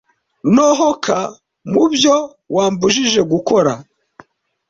Nohoka mubyo wambujije gukora